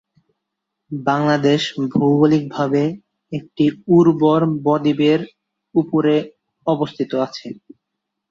বাংলাদেশ ভৌগলিকভাবে একটি উর্বর বদ্বীপের উপরে অবস্থিত আছে।